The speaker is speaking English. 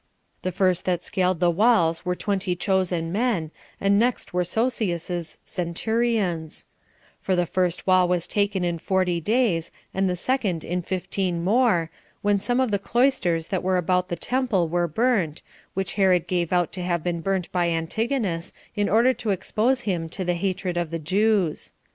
The first that scaled the walls were twenty chosen men, the next were Sosius's centurions; for the first wall was taken in forty days, and the second in fifteen more, when some of the cloisters that were about the temple were burnt, which Herod gave out to have been burnt by Antigonus, in order to expose him to the hatred of the Jews.